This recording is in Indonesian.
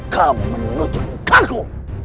kamu menunjukkan aku